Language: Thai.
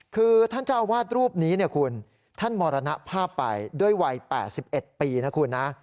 คือท่านเจ้าอาวาสรูปนี้เนี่ยคุณท่านมรณภาพไปด้วยวัย๘๑ปีนะคุณนะ